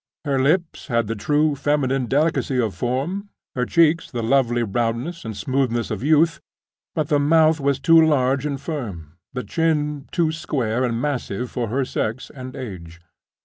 Her lips had the true feminine delicacy of form, her cheeks the lovely roundness and smoothness of youth—but the mouth was too large and firm, the chin too square and massive for her sex and age.